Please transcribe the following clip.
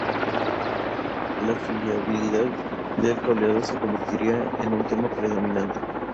La fiabilidad del cableado se convertirá en un tema predominante.